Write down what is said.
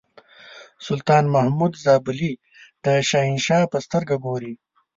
سلطان محمود زابلي د شهنشاه په سترګه ګوري.